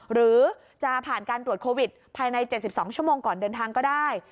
หรือจะผ่านการตรวจโควิดภายใน๗๒ชั่วโมงก่อนเดินทางก็ได้